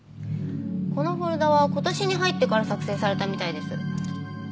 このフォルダは今年に入ってから作成されたみたいです。